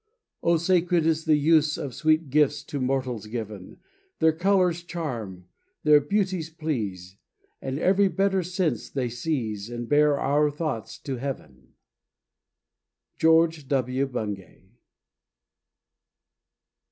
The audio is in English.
O! sacred is the use of these Sweet gifts to mortals given. Their colors charm, their beauties please, And every better sense they seize, And bear our thoughts to Heaven. GEORGE W. BUNGAY.